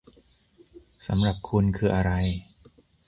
สำหรับคุณคืออะไร ?